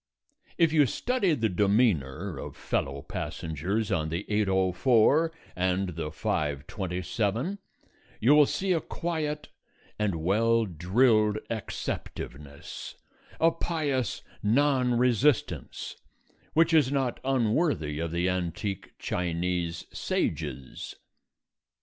If you study the demeanour of fellow passengers on the 8:04 and the 5:27 you will see a quiet and well drilled acceptiveness, a pious non resistance, which is not unworthy of the antique Chinese sages.